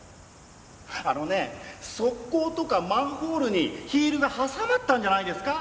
あのねえ側溝とかマンホールにヒールが挟まったんじゃないですか？